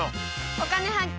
「お金発見」。